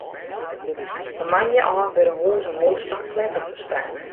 Fan moandei ôf wurde hûs oan hûs pamfletten ferspraat.